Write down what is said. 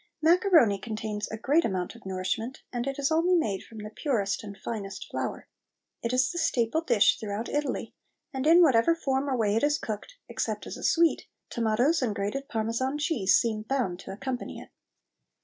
Macaroni contains a great amount of nourishment, and it is only made from the purest and finest flour. It is the staple dish throughout Italy, and in whatever form or way it is cooked, except as a sweet, tomatoes and grated Parmesan cheese seem bound to accompany it.